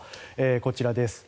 こちらです。